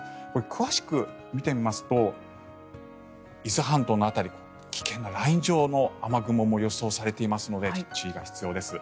詳しく見てみますと伊豆半島の辺り危険なライン状の雨雲も予想されていますので注意が必要です。